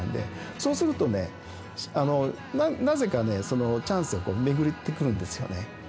そうするとねなぜかねチャンスがめぐってくるんですよね。